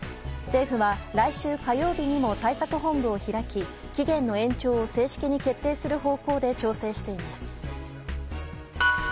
政府は、来週火曜日にも対策本部を開き、期限の延長を正式に決定する方向で調整しています。